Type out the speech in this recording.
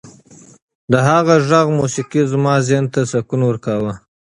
د هغې د غږ موسیقي زما ذهن ته سکون ورکاوه.